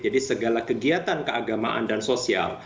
jadi segala kegiatan keagamaan dan sosial